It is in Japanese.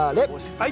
はい。